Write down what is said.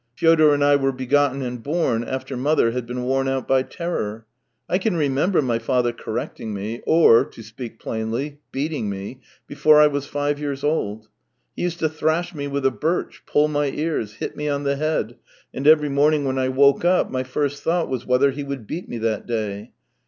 Fyodor and I were begotten and born after mother had been worn out by terror. I can remember my father correct ing me — or, to speak plainly, beating me — before I was five years old. He used to thrash me with a birch, pull my ears, hit me on the head, and every morning when I woke up my first thought was whether he would beat me that day.